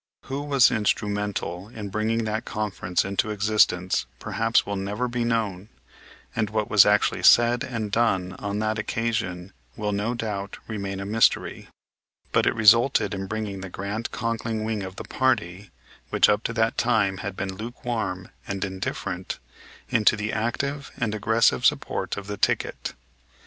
Who was instrumental in bringing that conference into existence perhaps will never be known, and what was actually said and done on that occasion will, no doubt, remain a mystery. But it resulted in bringing the Grant Conkling wing of the party, which up to that time had been lukewarm and indifferent, into the active and aggressive support of the ticket.